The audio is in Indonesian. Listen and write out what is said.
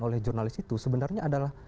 oleh jurnalis itu sebenarnya adalah